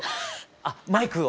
あっマイクを。